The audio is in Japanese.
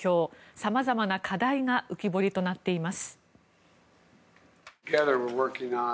さまざまな課題が浮き彫りとなっています。